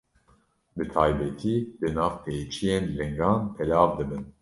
Bi taybetî li nav pêçiyên lingan belav dibin.